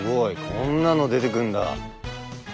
こんなの出てくんだ。